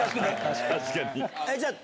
確かに。